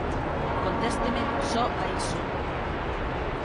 Contésteme só a iso.